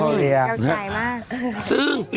โอ๋เกอร์เซท